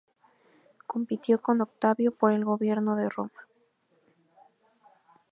Compitió con Octavio por el gobierno de Roma.